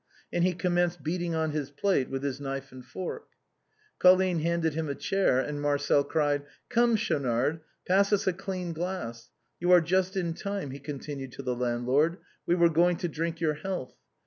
and he commenced beating on his plate with his knife and fork. Colline handed him a chair, and Marcel cried :'' Come, Schaunard ! pass us a clean glass. You are just in time," he continued to the landlord ;" we were going to drink your health.